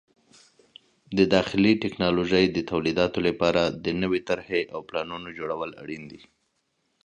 د داخلي ټکنالوژۍ د تولیداتو لپاره د نوې طرحې او پلانونو جوړول اړین دي.